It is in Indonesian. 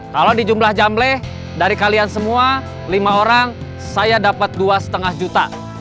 kalau di jumlah jamle dari kalian semua lima orang saya dapat dua lima juta